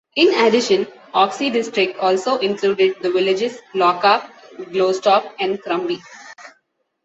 In addition, Oxie district also included the villages Lockarp, Glostorp and Krumby.